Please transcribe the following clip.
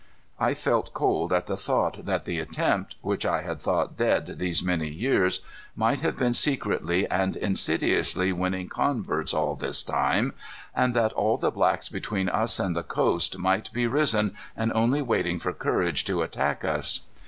I felt cold at the thought that the attempt which I had thought dead these many years might have been secretly and insidiously winning converts all this time, and that all the blacks between us and the coast might be risen and only waiting for courage to attack us.